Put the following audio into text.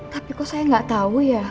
tapi kok saya nggak tahu ya